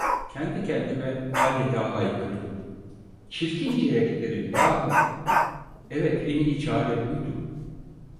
Kendi kendime adeta haykırdım: "Çirkince'ye giderim yahu!" Evet, en iyi çare buydu.